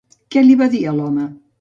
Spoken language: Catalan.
Què li va dir a l'home?